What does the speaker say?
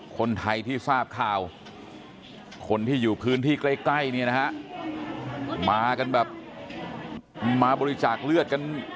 คนไทยที่ทราบข่าวคนที่อยู่พื้นที่ใกล้มาบริจาคเลือดกัน